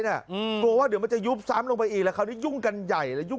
กลัวว่าจะยุบลงไปอีกคราวนี้ยุ่งกันใหญ่เลย